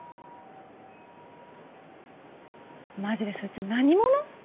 マジでそいつ何者？